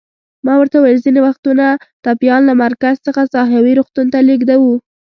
ما ورته وویل: ځینې وختونه ټپیان له مرکز څخه ساحوي روغتون ته لېږدوو.